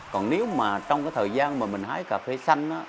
còn nếu mà trong cái thời gian mà mình hái cà phê xanh